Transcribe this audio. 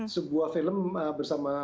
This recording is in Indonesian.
sebuah film bersama